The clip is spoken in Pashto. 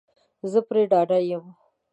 زه پری ډاډه یم